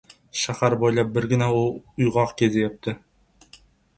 Shahar boʻylab birgina u uygʻoq kezyapti.